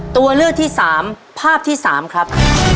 ตัวเลือกที่สามภาพที่สามครับ